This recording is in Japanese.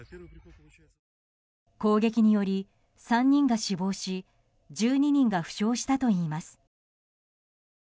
攻撃により３人が死亡し１２人が負傷したといいます。